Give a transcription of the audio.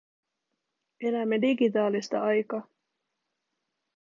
Elämme digitaalista aikaa.